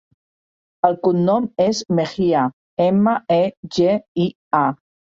El cognom és Megia: ema, e, ge, i, a.